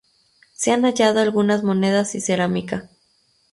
Se han hallado algunas monedas y cerámica.